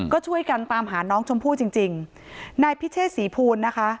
ก็ช่วยกันตามหาน้องชมพู่จริงจริงนายพิเชษศรีภูลนะคะ